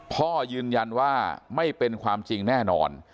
พ่อยืนยันว่าไม่เป็นความจริงแน่นอน